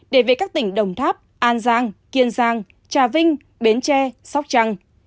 để về các tỉnh đồng tháp an giang kiên giang trà vinh bến tre sóc trăng